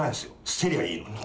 捨てりゃいいのに。